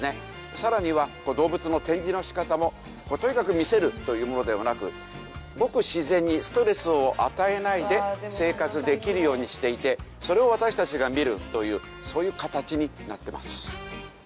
さらには動物の展示の仕方もとにかく見せるというものではなくごく自然にストレスを与えないで生活できるようにしていてそれを私たちが見るというそういう形になっています。